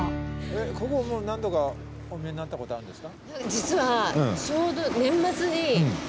ここもう何度かお見えになったことあるんですか？